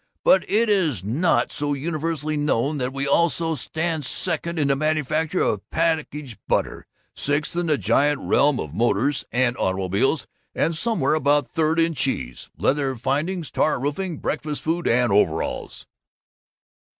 But it is not so universally known that we also stand second in the manufacture of package butter, sixth in the giant realm of motors and automobiles, and somewhere about third in cheese, leather findings, tar roofing, breakfast food, and overalls!